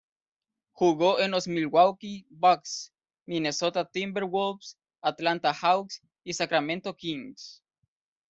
Jugó en los Milwaukee Bucks, Minnesota Timberwolves, Atlanta Hawks y Sacramento Kings.